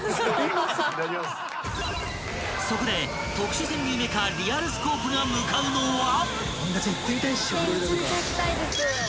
［そこで特殊潜入メカリアルスコープが向かうのは］